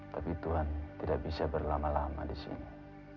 tapi tuhan tidak bisa berlama lama di sini